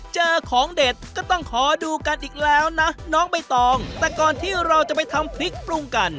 เจอของเด็ดก็ต้องขอดูกันอีกแล้วนะน้องใบตองแต่ก่อนที่เราจะไปทำพริกปรุงกัน